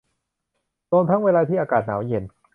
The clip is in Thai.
รวมทั้งเวลาที่อากาศหนาวเย็น